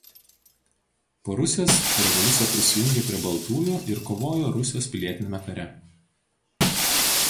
Po Rusijos revoliucija prisijungė prie baltųjų ir kovojo Rusijos pilietiniame kare.